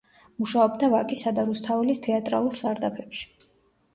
მუშაობდა ვაკისა და რუსთაველის თეატრალურ სარდაფებში.